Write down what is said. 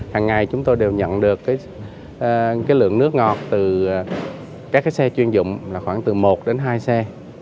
hằng ngày chúng tôi đều nhận được lượng nước ngọt từ các xe chuyên dụng là khoảng từ một đến hai xe